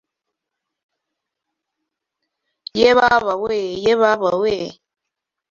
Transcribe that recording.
Ye baba we, ye baba we